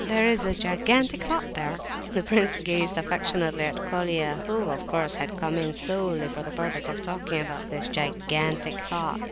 There is a gigantic thought there." The prince gazed affectionately at Colia, who, of course, had come in solely for the purpose of talking about this "gigantic thought."